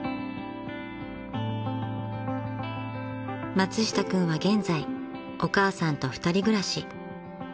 ［松下君は現在お母さんと２人暮らし］